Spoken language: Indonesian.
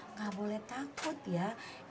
nggak boleh takut ya